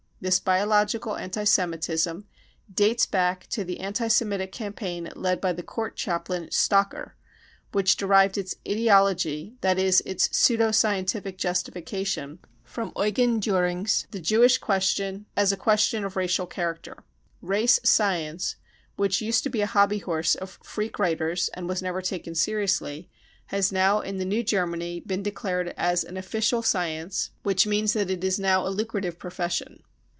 This biological anti Semitism dates back to the T anti Semitic campaign led by the court chaplain Stocker, which derived its " ideology," that is, its pseudo scientific justification, from Eugen Dlihring's The Jewish Question as a question of Racial Character. u Race science," which used to be a hobby horse of freak writers and was never taken seriously, has now in the New Germany been declared an official " science "— which means that it is now a lucrative profession.